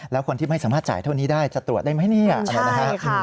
แล้วคนที่ไม่สามารถจ่ายเท่านี้ได้จะตรวจได้ไหมเนี่ยอะไรนะฮะ